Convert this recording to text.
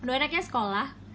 dan satu anaknya sekolah